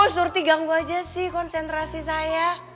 surti ganggu aja sih konsentrasi saya